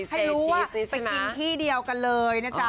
ให้รู้ว่าไปกินที่เดียวกันเลยนะจ๊ะ